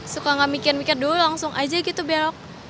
suka gak mikir mikir dulu langsung aja gitu belok